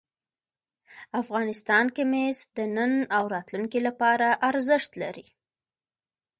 افغانستان کې مس د نن او راتلونکي لپاره ارزښت لري.